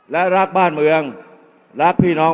อย่าให้ลุงตู่สู้คนเดียว